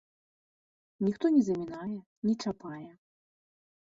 Ніхто не замінае, не чапае.